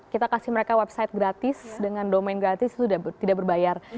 kita kasih mereka website gratis dengan domain gratis itu sudah tidak berbayar